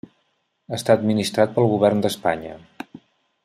Està administrat pel govern d'Espanya.